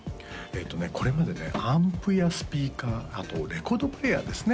これまでねアンプやスピーカーあとレコードプレーヤーですね